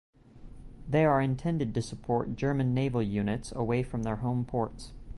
They are intended to support German naval units away from their home ports.